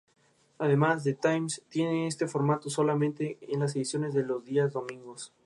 Además, "The Times" tiene este formato solamente en las ediciones de los días domingos.